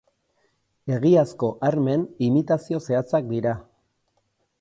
Egiazko armen imitazio zehatzak dira.